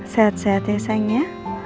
sehat sehat ya sayangnya